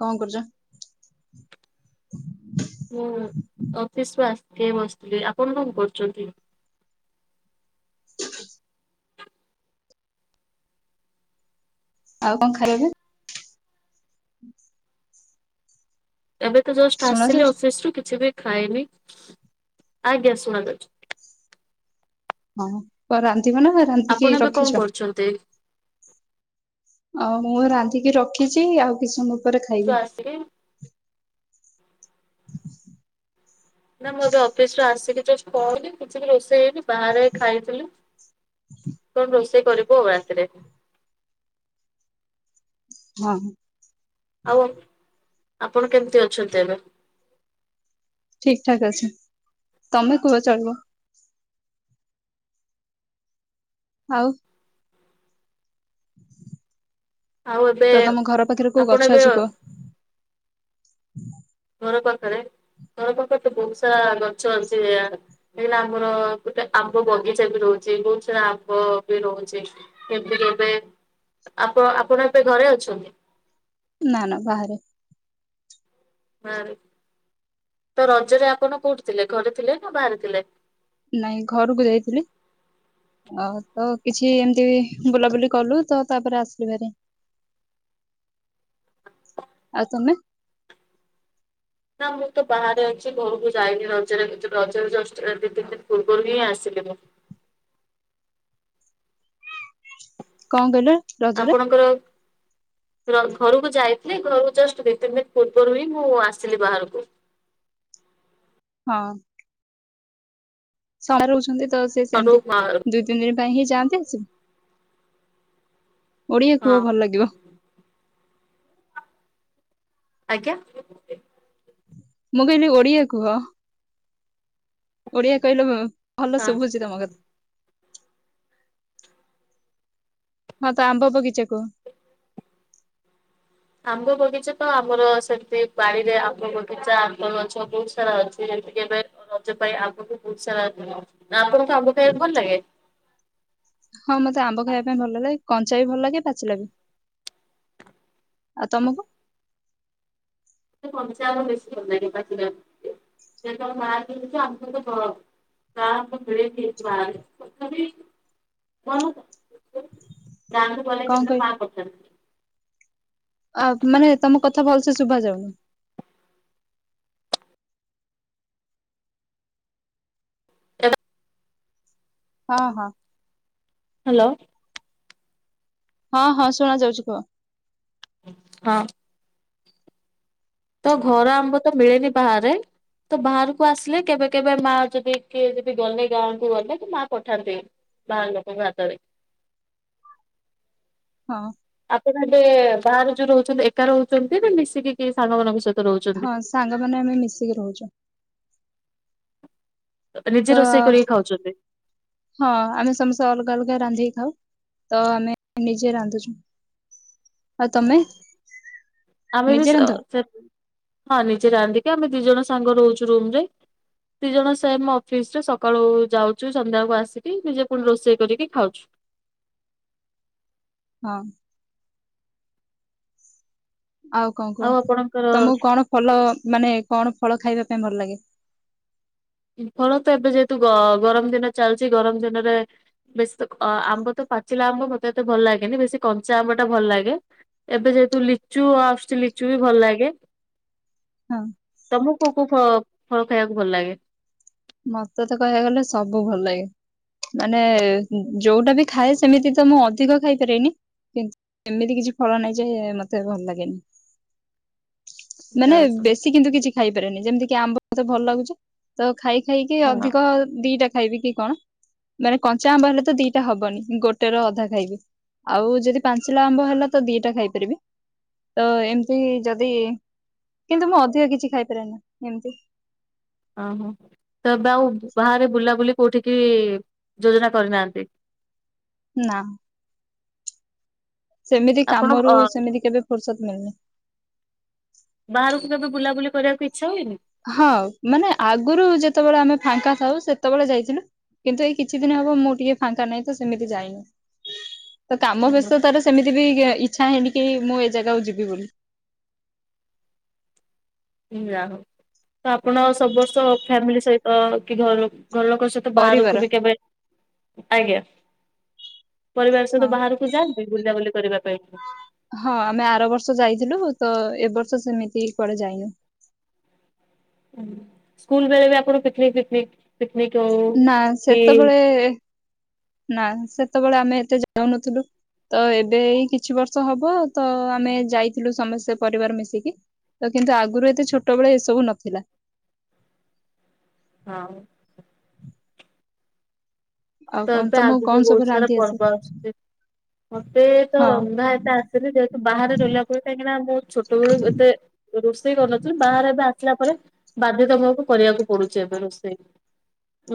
କଣ କରୁଚ? ମୁଁ ଅଫିସ୍ କୁ ଆସିଥିଲି ବସିଚି ଆପଣ କଣ କରୁଚନ୍ତି? ଆଉ କଣ ଖାଇବେ? ଏବେତ ଜଷ୍ଟ ଆସିଲି ଶୁଣାଯାଉଛି ଅଫିସ୍ ରୁ କିଛିବି ଖାଇନି ଆଜ୍ଞା ଶୁଣାଯାଉଚି। ହଁ କଣ ରାନ୍ଧିବନା ଆପଣ ରାନ୍ଧିକି ଏବେ କଣ ରଖିଛ? [unintelligible] ଆଉ ମୁଁ ରାନ୍ଧିକି ରଖିଚି ଆଉ କିଛି ସମୟ ପରେ ରୁ ଖାଇବି। ଆସିକି [inaudible] ନା ମୁଁ ଏବେ ଅଫିସ୍ ରୁ ଆସିକି ଜଷ୍ଟ ପହଲି କିଛି ବି ରୋଷେଇ ହେଇନି। ବାହାରେ ଖାଇଥିଲି କଣ ରୋଷେଇ କରିବୁ ରାତିରେ। ହଁ। ଆଉ ଆପଣ କେମିତି ଅଛନ୍ତି ଏବେ? ଠିକ୍ ଠାକ୍ ଅଛି ତମେ କୁହ ଚଳିବ? ଆଉ। ଆଉ ଏବେ ତ ତମ ଘର ପାଖରେ କୋଉ ଆପଣ ଗଛ ଏବେ ଅଛି କୁହ? [inaudible] ଘର ପାଖରେ ଘର ପାଖରେତ ବହୁତ୍ ସାରା ଗଛ ଅଛି। ଏଇଲା ଆମର ଗୋଟେ ଆମ୍ବ ବଗିଚାବି ରହୁଚି ବହୁତ୍ ସାରା ଆମ୍ବବି ରହୁଚି। କେବେ କେବେ ତ ଆପଣ ଏବେ ଘରେ ଅଛନ୍ତି? ନା ନା ବାହାରେ। ବାହାରେ ତ ରଜରେ ଆପଣ କୋଉଠି ଥିଲେ ଘରେ ଥିଲେନା ବାହାରେ ଥିଲେ? ନାଇଁ ଘରକୁ ଯାଇଥିଲି। ଆଉ ତ କିଛି ଏମତି ବୁଲାବୁଲି କଲୁତ ତାପରେ ଆସିଲି ଭାରି। ଆଉ ତମେ? ନା ମୁଁତ ବାହାରେ ଅଛି ଘରକୁ ଯାଇନି ରଜରେ ରଜରେ ଜଷ୍ଟ ଏ ଦି ତିନି ଦିନି ପୂର୍ବରୁ ହିଁ ଆସିଲି ମୁଁ। କଣ କହିଲ? ରଜରେ ଆପଣଙ୍କର ର ଘରକୁ ଯାଇଥିଲି ଘରକୁ ଜଷ୍ଟ ଦି ତିନି ଦିନି ପୂର୍ବରୁ ହିଁ ମୁଁ ଆସିଲି ବାହାରକୁ। ହଁ। [unintelligible] ରହୁଛନ୍ତିତ ସେ ଘରୁ ସେମତି ବାହାରୁ ଦୁଇ ତିନି ଦିନ ପାଇଁ ହିଁ ଯାଆନ୍ତି ଆସିବ ଓଡିଆ ହଁ କୁହ ଭଲ ଲାଗିବ? ଆଜ୍ଞା। ମୁଁ କହିଲି ଓଡିଆ କୁହ ଓଡିଆ କହିଲେ ଭ ଭଲ ହଁ। ଶୁଭୁଚି ତମ କଥା। ହଁ ତ ଆମ୍ବ ବଗିଚା କୁହ। ଆମ୍ବ ବଗିଚାତ ଆମର ସେଟି ବାଡ଼ିରେ ଆମ୍ବ ବଗିଚା ଆମ୍ବ ଗଛ ବହୁତ୍ ସାରା ଅଛି ଏଇଠିକି ଏବେ ରଜ ପାଇଁ ଆଗକୁ ବହୁସାରା [unintelligible] ଆପଣଙ୍କୁ ଆମ୍ବ ଖାଇବାକୁ ଭଲ ଲାଗେ? ହଁ ମତେ ଆମ୍ବ ଖାଇବା ପାଇଁ ଭଲ ଲାଗେ କଞ୍ଚାବି ଭଲ ଲାଗେ ପାଚିଲାବି। ଆଉ ତମକୁ? ମୋତେ କଞ୍ଚା ଆମ୍ବ ବେଶୀ ଭଲ ଲାଗେ ପଚିଲା ଆମ୍ବ ଅପେକ୍ଷା। [unintelligible] [unintelligible] ତଥାପି। [unintelligible] ଗାଁକୁ ଗଲେ। କଣ କହି [unintelligible] ଆ ମାନେ ତମ କଥା ଭଲ ସେ ଶୁଭା ଯାଉନି। [unintelligible] ହଁ ହଁ। ହ୍ୟାଲୋ? ହଁ ହଁ ଶୁଣାଯାଉଛି କୁହ। ହଁ। ତ ଘର ଆମ୍ବ ତ ମିଳେନି ବାହାରେ। ତ ବାହାରକୁ ଆସିଲେ କେବେ କେବେ ମା ଯଦି କିଏ ଯଦି ଗଲେ ଗାଁକୁୁ ଗଲେ କି ମା ପଠାନ୍ତି। ବାହାର ଲୋକଙ୍କ ହାତରେ। ହଁ। ଆପଣ ଏବେ ବାହାରେ ଯୋଉ ରହୁଛନ୍ତି ଏକା ରହୁଛନ୍ତି ନା ମିଶିକି କି ସାଙ୍ଗମାନଙ୍କ ସହିତ ହଁ ରହୁଛନ୍ତି? ସାଙ୍ଗମାନେ ଆମେ ମିଶିକି ରହୁଛୁ। ନିଜେ ତ ରୋଷେଇ କରିକି ଖାଉଛନ୍ତି ହଁ ଆମେ ସମସ୍ତେ ଅଲଗା ଅଲଗା ରାନ୍ଧିକି ଖାଉ, ତ ଆମେ ନିଜେ ରାନ୍ଧୁଛୁ। ଆଉ ତମେ ଆମେ ବି ନିଜେ ରାନ୍ଧ? ସ ହଁ ନିଜେ ରାନ୍ଧିକି ଆମେ ଦି ଜଣ ସାଙ୍ଗ ରହୁଛୁ ରୁମରେ। ଦି ଜଣ ସେମ ଅଫିସରେ, ସକାଳୁ ଯାଉଛୁ ସନ୍ଧ୍ୟାକୁ ଆସିକି ନିଜେ ପୁଣି ରୋଷେଇ କରିକି ଖାଉଛୁ। ହଁ। ଆଉ କଣ କୁହ। ତମକୁ କଣ ଫଲ ମାନେ କଣ ଫଳ ଖାଇବା ପାଇଁ ଭଲ ଲାଗେ? ଫଳ ତ ଏବେ ଯେହେତୁ ଗରମ ଦିନ ଚାଲିଛି ଗରମ ଦିନରେ ବେଶୀ ତ ଅ ଆମ୍ବ ତ ପାଚିଲା ଆମ୍ବ ମତେ ଏତେ ଭଲ ଲାଗେନି ବେଶୀ କଞ୍ଚା ଆମ୍ବ ଟା ଭଲ ଲାଗେ। ଏବେ ଯେହେତୁ ଲିଚୁ ଆସୁଛି ଲିଚୁ ବି ଭଲ ଲାଗେ। ହଁ। ତମକୁ କୋଉ କୋଉ ଫ- ଫଳ ଖାଇବାକୁ ଭଲ ଲାଗେ? ମତେ ତ କହିବାକୁ ଗଲେ ସବୁ ଭଲ ଲାଗେ। ମାନେ ଯୋଉଟା ବି ଖାଏ ସେମିତି ତ ମୁଁ ଅଧିକ ଖାଇ ପାରିବିନି, କିନ୍ତୁ ଏମିତି କିଛି ଫଳ ନାଇଁ ଯେ ମତେ ଭଲ ଲାଗେନି। ମାନେ ବେଶୀ କିନ୍ତୁ କିଛି ଖାଇପାରେନି। ଯେମିତି କି ଆମ୍ବ ମତେ ଭଲ ଲାଗୁଛି ତ ଖାଇ ଖାଇକି ହଁ ଅଧିକ ଦିଟା ଖାଇବି କି କଣ? ମାନେ କଞ୍ଚା ଆମ୍ବ ହେଲେ ତ ଦିଟା ହବନି ଗୋଟେ ର ଅଧା ଖାଇବି। ଆଉ ଯଦି ପାଞ୍ଚିଲା ଆମ୍ବ ହେଲା ତ ଦିଟା ଖାଇପାରିବି। ତ ଏମତି ଯଦି, କିନ୍ତୁ ମୁଁ ଅଧିକ କିଛି ଖାଇପାରେନି ଏମତି। ଓହୋଃ। ତ ଏବେ ଆଉ ବାହାରେ ବୁଲାବୁଲି କୋଉଠିକି ଯୋଜନା କରିନାହାନ୍ତି? ନା। ସେମିତି ଆପଣ କାମରୁ ଅ ସେମିତି କେବେ ଫୁର୍ସତ ମିଳିନି। ବାହାରକୁ କେବେ ବୁଲାବୁଲି କରିବାକୁ ଇଚ୍ଛା ହୁଏନି? ହଁ, ମାନେ ଆଗରୁ ଯେତେବେଳେ ଆମେ ଫାଙ୍କା ଥାଉ ସେତେବେଳେ ଯାଇଥିଲୁ। କିନ୍ତୁ ଏଇ କିଛି ଦିନ ହବ ମୁଁ ଟିକେ ଫାଙ୍କା ନାହିଁ ତ ସେମିତି ଯାଇନି। ତ କାମ ବ୍ୟସ୍ଥତାରେ ସେମିତି ବି ଇଚ୍ଛା ହେଇନିକି ମୁଁ ଏ ଜାଗାକୁ ଯିବି ବୋଲି। ଯା ହଉ, ତ ଆପଣ ସବୁ ବର୍ଷ ଫ୍ୟାମିଲି ସହିତ କି ଘ-ଘର ଲୋକ ସହି ତ ପରିବାର ବାହାରକୁ ବି କେବେ, ଆଜ୍ଞା। ପରିବାର ହଁ ସହିତ ବାହାରକୁ କୁ ଯାଆନ୍ତିି ବୁଲାବୁଲି କରିବା ପାଇଁ? ହଁ ଆମେ ଆର ବର୍ଷ ଯାଇଥିଲୁ, ତ ଏ ବର୍ଷ ସେମିତି କୁଆଡ଼େ ଯାଇନୁ। ସ୍କୁଲ ବେଳେ ବି ଆପଣ ପିକ୍‌ନିକ୍ ଫିକ୍‌ନିକ୍ ପିକ୍ ନିକ୍ ହଉ ନା ସେତବେଳେ, ନା ସେତବେଳେ ଆମେ ଏତେ ଯାଉନଥିଲୁ। ତ ଏବେ ଏଇ କିଛି ବର୍ଷ ହବ ତ ଆମେ ଯାଇଥିଲୁ ସମସ୍ତେ ପରିବାର ମିଶିକି। ତ କିନ୍ତୁ ଆଗରୁ ଏତେ ଛୋଟବେେଳେ ଏସବୁ ନଥିଲା। ହଁ ଆଉ ତ କଣ ଏବେ ତମକୁ ଆଗକୁ କଣ ସବୁ ବହୁତ ସାରା ରାନ୍ଧି ଆସେ? ପର୍ବ ଆସୁଛି ମତେ ତ ହଁ ରନ୍ଧା ଏତ ଆଶେ ଯେହେତୁ ବାହାରେ ରହିଲା ପରେ କାହିଁକିନା ମୁଁ ଛୋଟବେଳୁ ଏତେ ରୋଷେଇ କରୁନଥିଲି ବାହାରେ ଏବେ ଆସିଲା ପରେ ବାଧ୍ୟତାମୁଳକ କରିବାକୁ ପଡୁଛି ଏବେ ରୋଷେଇ।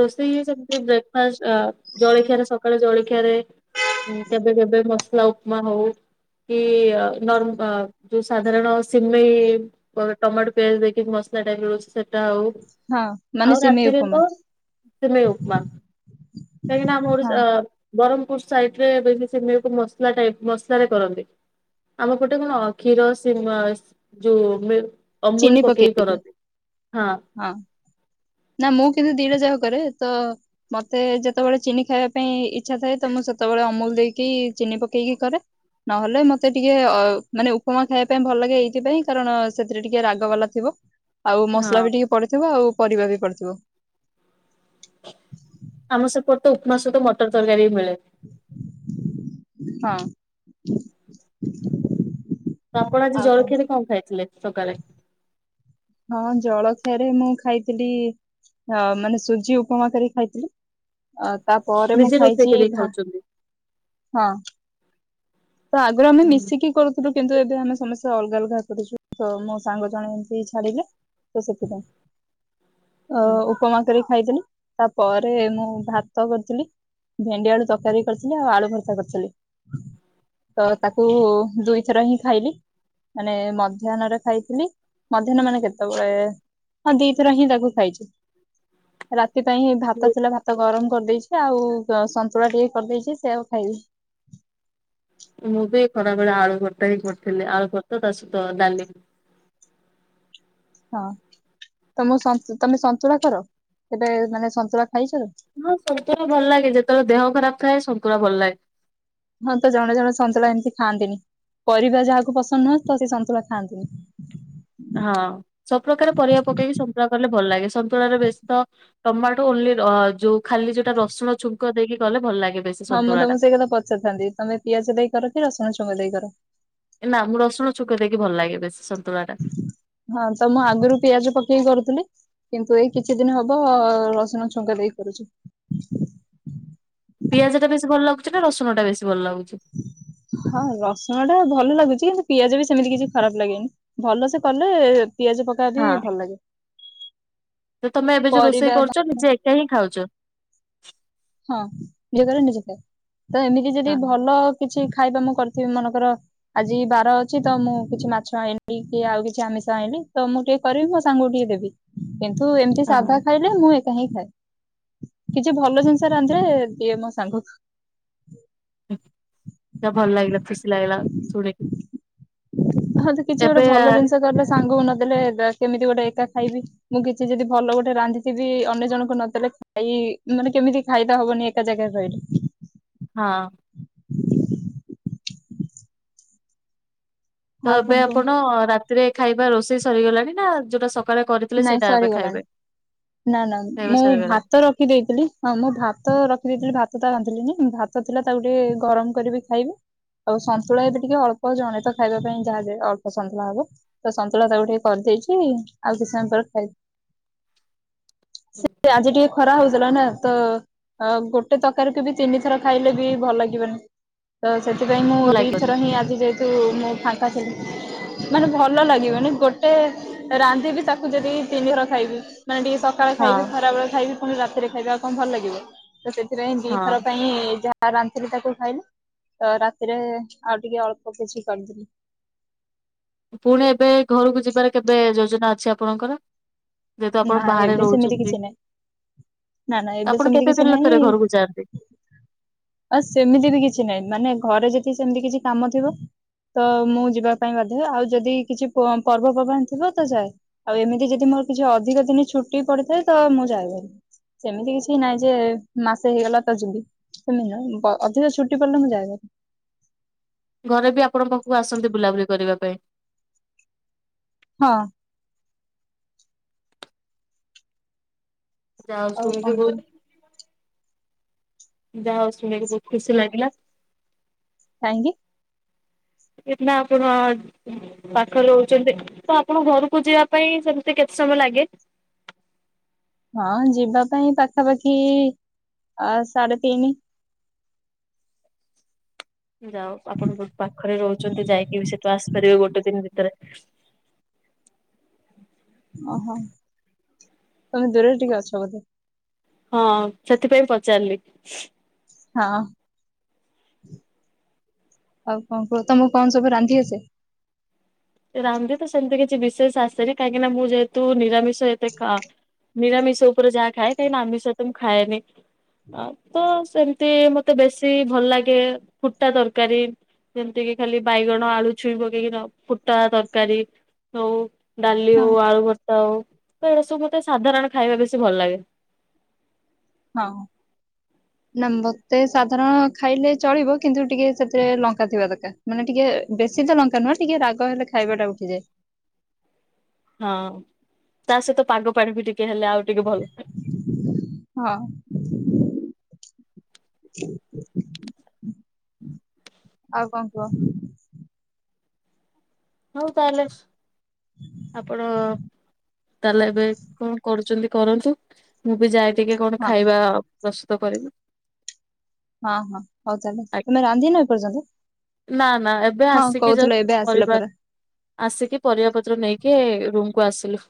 ରୋଷେଇ ହେ ସେମିତି ବ୍ରେକଫାଷ୍ଟ ଜଳଖିଆରେ ସକାଳେ ଜଳଖିଆରେ ହଁ କେବେ କେବେ ମସଲା ଉପମା ହଉ କି ନର୍ ଯୋଉ ସାଧାରଣ ସିମେଇ ଟମାଟୋ ପିଆଜ ଦେଇକି ମସଲା ଟାଇପର ମିଳୁଛି ସେଟା ହଉ। ହଁ ମାନେ ଆଉ ସିମେଇ ରାତିରେ ଉପମା କଣ? ସିମେଇ ଉପମା କାହିଁକି ନା ଆମ ହଁ ଓଡିଶା ବରହମପୁର ସାଇଟରେ ରେ ବି ସିମେର କୁ ମସଲା ଟାଇପ ମସଲ ରେ କରନ୍ତି। ଆମ ପଟେ କଣ କ୍ଷୀର ସି ମସ ଯୋଉ ମିଲ୍କ ଚିନି ପକେଇକି। ହଁ ନା ମୁଁ କିନ୍ତୁ ଦିଟା ଯାକ କରେ ତ ମତେ ଯେତେବେଳେ ଚିନି ଖାଇବା ପାଇଁ ଇଚ୍ଛା ଥାଏ ତ ମୁଁ ସେତେବେଳେ ଅମୁଲ ଦେଇକି ଚିନି ପକେଇକି କରେ। ନହେଲେ ମତେ ଟିକେ ଅ ମାନେ ଉପମା ଖାଇବା ପାଇଁ ଭଲ ଲାଗେ ଏଇଥିପାଇଁ କାରଣ ସେ ସେଥିରେ ଟିକେ ରାଗ ବାଲା ଥିବ ଆଉ ମସଲା ହଁ ବି ଟିକେ ପଡିଥିବ ଆଉ ପରିବା ବି ପଡିଥିବ। ଆମ ସେପଟେ ତ ଉପମା ସହିତ ମଟର ତରକାରୀ ବି ମିଳେ। ହଁ ତ ଆପଣ ଆଜି ଜଳଖିଆରେ କଣ ଖାଇଥିଲେ ସକାଳେ? ହଁ ଜଳଖିଆରେ ମୁଁ ଖାଇଥିଲି ହ ମାନେ ସୁଜି ଉପମା କରି ଖାଇଥିଲି। ଅ ତାପରେ ମୁଁ ନିଜେ ରୋଷେଇ ଖାଇଛି କରିକି ଭା। ଖାଉଛନ୍ତି। ହଁ ତ ଆଗରୁ ଆମେ ମିଶିକି କରୁୁ ସେଠୁ କିନ୍ତୁ ଏବେ ଆମେ ସମସ୍ତେ ଅଲଗା ଅଲଗା କରିଛୁ ତ ମୋ ସାଙ୍ଗ ଜଣ ଏମିତି ଛାଡିଲେ। ତ ସେଥି ପାଇଁ। ଉପମା କରି ଖାଇ ଦେଲି। ତାପରେ ମୁଁ ଭାତ କରିଥିଲି, ଭେଣ୍ଡି ଆଳୁ ତରକାରୀ କରିଥିଲି, ଆଉ ଆଳୁ ଭର୍ତ୍ତା କରିଥିଲି। ତ ତାକୁ ଦୁଇଥର ହିଁ ଖାଇଲି। ମାନେ ମଧ୍ୟାହ୍ନରେ ଖାଇଥିଲି, ମଧ୍ୟାହ୍ନ ମାନେ କେତେବେଳେ? ହଁ ଦିଥର ହିଁ ତାକୁ ଖାଇଛି। ରାତି ପାଇଁ ହିଁ ଭାତ ଥିଲା ଭାତ ଗରମ କରିଦେଇଛି ଆଉ ସନ୍ତୁଳା ଟିକେ କରିଦେଇଛି ସେ ଆଉ ଖାଇବୁ। ମୁଁ ବି ଖରାବେେଳେ ଆଳୁ ଭର୍ଟତା ହିଁ କରିଥିଲି ଆଳୁ ଭରତା ତା ସହିତ ଡାଲି। ହଁ ତମ ତମେ ସନ୍ତୁଳା କର କେବେ ମାନେ ସନ୍ତୁଳା ଖାଇଛ? ହଁ ଶନ୍ତୁଳା ଭଲ ଲାଗେ ଯେତେବେଳେ ଦେହ ଖରାପ ଥାଏ ଶନ୍ତୁଳା ଭଲ ଲାଗେ। ହଁ ତ ଜଣେ ଜଣେ ସନ୍ତୁଳା ଏମିତି ଖାଆନ୍ତିନି ପରିବା ଯାହାକୁ ପସନ୍ଦ ନୁହଁନ୍ତି ତ ସେ ସନ୍ତୁଳା ଖାଆନ୍ତିନି। ହଁ ସବୁପକାର ପରିବା ପକେଇକି ସନ୍ତୁଳା କଲେ ଭଲ ଲାଗେ ସନ୍ତୁଳାରେ ବସ୍ ଟମାଟୋ ଓଲି ଯୋଉ ଖାଲି ଯୋଉଟା ରସୁଣ ଛୁଙ୍କ ଦେଇକି ଗଲେ ଭଲ ଲାଗେ। ବେଶୀ ହଁ ମୁଁ ସନ୍ତୁଳା ଟା। ତମେ ସେଇ କଥା ପଚାରିଥାନ୍ତି ତମେ ପିଆଜ ଦେଇ କର କି ରସୁଣ ଚଙ୍ଗ ଦେଇ କର? ନା ମୁଁ ରସୁଣ ଛୁଙ୍କ ଦେଇକି ଭଲ ଲାଗେ ବେଶୀ ସନ୍ତୁଳା ଟା। ହଁ ତ ମୁଁ ଆଗରୁ ପିଆଜ ପକେଇକି କରୁଥିଲି। କିନ୍ତୁ ଏଇ କିଛି ଦିନ ହବ ରସୁଣ ଛୁଙ୍କ ଦେଇ କରୁଛି। ପିଆଜ ଟା ବେଶୀ ଭଲ ଲାଗୁଛି ନା ରସଣ ଟା ବେଶୀ ଭଲ ଲାଗୁଛି। ହଁ ରସୁଣ ଟା ଭଲ ଲାଗୁଛି କିନ୍ତୁ ପିଆଜ ବି ସେମିତି କିଛି ଖରାପ ଲାଗେନି। ଭଲ ସେ କଲେ ପିଆଜ ପକା ବି ଭଲ ଲାଗେ। ତୋ ତମେ ଏବେ ଯୋଉ ରୋଷେଇ ପରିବା କରୁଛ ନିଜେ ଏକା ହିଁ ଖାଉଛ? ହଁ ନି କରେ ନିଜେ ଖାଏ ତ ଏମିତି ଯଦି ହଁ ଭଲ କିଛି ଖାଇବା ମୁଁ କରିଥିବି ମନକର ଆଜି ବାର ଅଛି ତ ମୁଁ କିଛି ମାଛ ଆଣିଲି କି ଆଉ କିଛି ଆମିଷ ଆଣିଲି ତ ମୁଁ ଟିକେ କରିବି ମୋ ସାଙ୍ଗକୁ ଟିକେ ଦେବି। କିନ୍ତୁ ଏମିତି ହଁ ସାଧା ଖାଇଲେ ମୁଁ ଏକା ହିଁ ଖାଏ କିଛି ଭଲ ଜିନିଷ ରାନ୍ଧେ ଦିଏ ମୋ ସାଙ୍ଗକୁ। ଉଁ ତା ଭଲ ଲାଗିଲ ଖସି ଲାଗିଲ ଶୁଣିକି। ହଁ ତ କିଛି ଗୋଟେ ଏବେ ଭଲ ଜିନଷ କଲେ ସାଙ୍ଗକୁ ନଦେଲେ ବା କେମିତି ଗୋଟେ ଏକା ଖାଇବି। ମୁଁ କିଛି ଯଦି ଭଲ ଗୋଟେ ରାନ୍ଧିଥିବି ଅନ୍ୟ ଜଣଙ୍କୁ ନ ଦେଲେ ଫାଇ ମାନେ କେମିତି ଫାଇଦା ହବନି ଏକା ଜାଗାରେ ରହିଲେ? ହଁ। ତ ଆଉ କଣ ଏବେ କୁହ ଆପଣ ରାତିରେ ଖାଇବା ରୋଷେଇ ସରିଗଲାଣି ନା ଯୋଉଟା ସ ନାଇଁ ସରିଗଲାଣି ନା ନା ଖାଇବା ମୁଁ ସରିଗଲାଣି ଭାତ ରଖି ଦେଇଥିଲି ହଁ ମୁଁ ଭାତ ରଖିଦେଇଥିଲି ଭାତଟା ରାନ୍ଧଥିଲି ନା ଭାତ ଥିଲା ତାକୁ ଟିକେ ଗରମ କରିବି ଖାଇବି। ଆଉ ସନ୍ତୁଳା ଏବେ ଟିକେ ଅଳ୍ପ ଜଣେ ତ ଖାଇବା ପାଇଁ ଯାହା ଯେ ଅଳ୍ପ ସନ୍ତୁଳା ହବ। ତ ସନ୍ତୁଳା ତାକୁ ଟିକେ କରିଦେଇଚି ଆଉ କିଛି ସମୟ ପରେ ଖାଇ ସେ ଆଜି ଟିକେ ଖରା ହୋଉଥୁଲା ନା ତ ଅ ଗୋଟେ ତରକାରୀକୁ ବି ତିନି ଥର ଖାଇଲେ ବି ଭଲ ଲାଗିବନି। ତ ସେଥିପାଇଁ ମୁଁ ଭଲ ଲାଗିବନି ଦିଥର ହିଁ ଆଜି ଯେ ତୁ ମୁଁ ଫାଙ୍କାଥିଲି ମାନେ ଭଲ ଲାଗିବନ ଗୋଟେ ରାନ୍ ବି ତାକୁ ଯଦି ତିନିଥର ଖାଇବି ମାନେ ଟିକେ ସକାଳେ ହଁ ଖାଇବି ଖରାବେଳେ ଖାଇବି ଫୁଣି ରାତିରେ ଖାଇବା ଆଉ କଣ ଭଲ ଲାଗିବ ତ ସେଥିପାଇଁ ଦିଥର ହଁ ପାଇଁ ଯାହା ଆ ରାତିରେ ତାକୁ ଖାଇଲି ତ ରାତିରେ ଆଉ ଟିକେ ଅଳ୍ପ କିଛି କରିଦେଲି। ପୁଣି ଏବେ ଘରକୁ ଯିବାର କେବେ ଯୋଜନା ଅଛି ଆପଣଙ୍କର? ଯେହେତୁ ଆପଣ ନା ବାହାରେ ଏବେ ସେମିତି ରହୁଚନ୍ତି କିଛି ନାହିଁ। ନା ନା ଏବେ ଆପଣ ସେମିତି କେତେ କିଛି ଦିନରେ ଥରେ ଘରକୁ ଯାଆନ୍ତି? ଆ ସେମିତି ବି କିଛି ନାହିଁ ମାନେ ଘରେ ଯଦି ସେମିତି କିଛି କାମ ଥିବ। ତ ମୁଁ ଯିବା ପାଇଁ ବାଧ୍ୟ ଆଉ ଯଦି କିଛି ପ-ପର୍ବପର୍ବାଣି ଥିବ ତ ଯାଏ। ଆଉ ଏମିତି ଯଦି ମୋର କିଛି ଅଧିକ ଦିନି ଛୁଟି ପଡିଥାଏ ତ ମୁଁ ଯାଏ ଭାରି। ସେମିତି କିଛି ନାଇଁ ଯେ ମାସେ ହେଇଗଲା ତ ଯିବି। ସେମି ନୁହେ ବ ଅଧିକା ଛୁଟି ପଡ଼ିଲେ ମୁଁ ଯାଏ ଭାରି। ଘରେ ବି ଆପଣଙ୍କ ପାଖକୁ ଆସନ୍ତି ବୁଲାବୁଲି କରିବା ପାଇଁ? ହଁ। ଯାହୋଉ ଆଉ ଶୁଣିକି କଣ କୁହ? ବୋହୁତ ଯାହୋଉ ଶୁଣିକି ବୋହୁତ ଖୁସି ଲାଗିଲା। କାହିଁକି? ଇତନା ଆପଣ ପାଖରେ ରହୁଚନ୍ତି ତ ଆପଣଙ୍କ ଘରୁକୁ ଯିବା ପାଇଁ ସେମତି କେତେ ସମୟ ଲାଗେ? ହଁ ଯିବା ପାଇଁ ପାଖାପାଖି ଆଉ ସାଢେ ତିନି ଯାଉ ଆପଣ ବୋହୁତ ପାଖରେ ରହୁଚନ୍ତି ଯାଇକି ବି ସେଠୁ ଆସିପାରିବେ ଗୋଟେ ଦିନ ଭିତରେ। ଓହୋ ତମେ ଦୂରରେ ଟିକେ ଅଛ ବୋଧେ? ହଁ ସେଥିପାଇଁ ପଚାରିଲି। ହଁ। ଆଉ କଣ କୁହ ତମକୁ କଣ ସବୁ ରାନ୍ଧି ଆସେ? ରାନ୍ଧି ତ ସେମତି କିଛି ବିଶେଷ ଆସେନି କାହିଁକି ନା ମୁଁ ଯେହେତୁ ନିରାମିଷ ଏତେ ଖା ନିରାମିଷ ଉପରେ ଯାହା ଖାଏ କାହିଁକିନା ଆମିଷ ଏତେ ମୁଁ ଖାଏନି ଆ ତ ସେମତି ମତେ ବେଶୀ ଭଲ ଲାଗେ ଫୁଟା ତରକାରୀ। ଯେମତି କିି ଖାଲି ବାଇଗଣ, ଆଳୁ, ଛୁଇଁ ପକେଇକି ଖାଅ ଫୁ ଫୁଟା ତରକାରୀ ହୋଉ ଡାଲି ହଁ ହୋଉ ଆଳୁ ଭର୍ ତା ହୋଉ କୌଣସି ମତେ ସାଧାରଣ ଖାଇବା ବେଶୀ ଭଲ ଲାଗେ। ହଁ। ନା ମତେ ସାଧାରଣ ଖାଇଲେ ଚଳିବ କିନ୍ତୁ ଟିକେ ସେଥିରେ ଲଙ୍କା ଥିବା ଦରକାର। ମାନେ ଟିକେ ବେଶୀ ତ ଲଙ୍କା ନୁହଁ ଟିକେ ରାଗ ହେଲେ ଖାଇବାଟା ଉଠିଯାଏ। ହଁ ତା ସହିତ ପାଗ ପାଣି ବି ଟିକେ ହେଲେ ଆଉ ଟିକେ ଭଲ। ହଁ। ଆଉ କଣ କୁହ? ଆଉ କଲେଜ୍ ହୁଁ [unintelligible] ଆପଣ ତାହେଲେ ଏବେ କଣ କରୁଛନ୍ତି କରନ୍ତୁ? ମୁଁ ବି ଯାଏ ଟିକେ କଣ ହଁ ଖାଇବା ପ୍ରସ୍ତୁତ କରିବି। ହଁ ହଁ ହଉ ତାହେଲେ ତମେ ରାନ୍ଧିନ ଏପର୍ଯ୍ୟନ୍ତ? ନା ନା ଏବେ ହଁ ଆସିକି କହୁଥିଲ ଜଷ୍ଟ ଏବେ ଆସିଲା ପରିବାର ପରା। ଆସିକି ପରିବା ପତ୍ର ନେଇକି ରୁମକୁୁ ଆସିଲୁ।